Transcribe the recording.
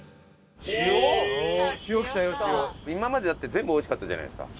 今までだって全部美味しかったじゃないですか。